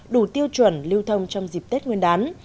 đủ tiêu chuẩn lưu thông trong dịp tết nguyên đán